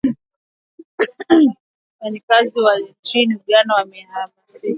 wafanyabiashara na wajasiriamali nchini Uganda wamehamasika